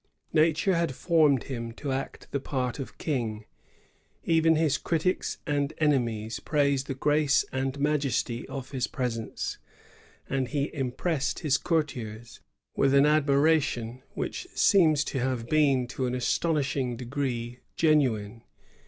Nature had formed him to act the part of King. Even his critics and enemies praise the grace and majesty of his presence, and he impressed his cour tiers with an admiration which seems to have been to an astonishing degree genuine.